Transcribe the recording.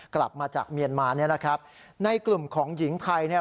กลับมาจากเมียนมาเนี่ยนะครับในกลุ่มของหญิงไทยเนี่ย